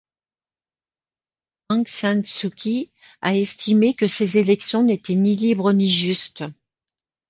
Aung San Suu Kyi a estimé que ces élections n'étaient ni libres ni justes.